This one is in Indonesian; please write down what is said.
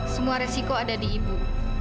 semua resiko ada di ibu